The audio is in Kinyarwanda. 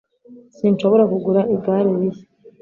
Sinshobora kugura igare rishya